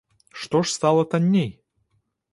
Што ж стала танней?